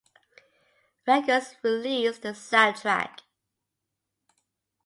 Records released the soundtrack.